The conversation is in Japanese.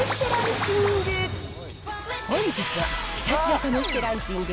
ひたすら試してランキング。